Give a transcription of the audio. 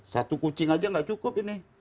satu kucing aja tidak cukup